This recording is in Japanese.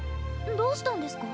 どうしたんですか？